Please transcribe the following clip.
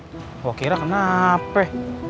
gak kira kenapa